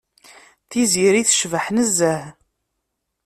Tiziri tecbeḥ nezzeh.